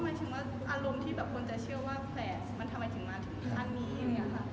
หมายถึงว่าอารมณ์ที่แบบคนจะเชื่อว่าแผลมันทำไมถึงมาถึงขั้นนี้อย่างนี้ค่ะ